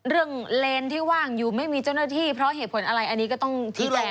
เลนที่ว่างอยู่ไม่มีเจ้าหน้าที่เพราะเหตุผลอะไรอันนี้ก็ต้องชี้แจง